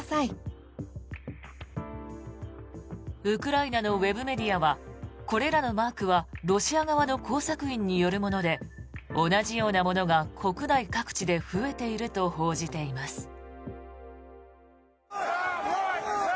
ウクライナのウェブメディアはこれらのマークはロシア側の工作員によるもので同じようなものが国内各地で増えていると報じています。